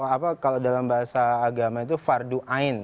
apa kalau dalam bahasa agama itu fardu ain